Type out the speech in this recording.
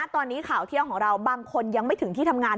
ตอนนี้ข่าวเที่ยงของเราบางคนยังไม่ถึงที่ทำงาน